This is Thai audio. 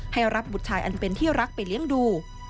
ให้รับบุตรชายอันเป็นที่รักไปเลี้ยงดู